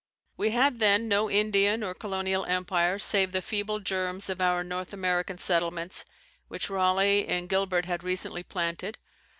We had then no Indian or Colonial Empire save the feeble germs of our North American settlements, which Raleigh and Gilbert had recently planted.